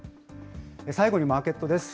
最後にマーケットです。